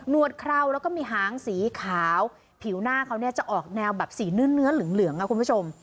วดเคราวแล้วก็มีหางสีขาวผิวหน้าเขาเนี่ยจะออกแนวแบบสีเนื้อเหลืองคุณผู้ชม